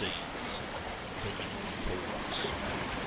CRIMINAL COURTS.